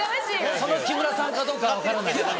その木村さんかどうかは分からない。